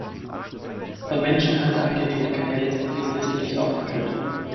Von Menschenhand angelegte Kanäle sind in dieser Liste nicht aufgeführt.